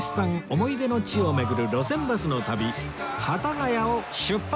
思い出の地を巡る路線バスの旅幡ヶ谷を出発！